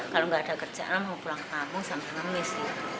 kalau nggak ada kerjaan mau pulang kampung sampai mengemis